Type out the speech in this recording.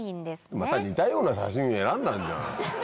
似たような写真選んだんじゃん。